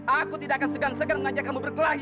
aku tidak akan segan segan mengajak kamu berkelahi